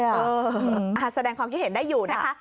อ่าแสดงความคิดเห็นได้อยู่นะคะ